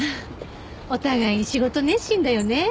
お互い仕事熱心だよね。